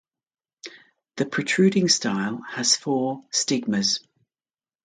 The protruding style has four stigmas.